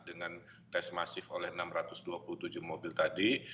dengan tes masif oleh enam ratus dua puluh tujuh mobil tadi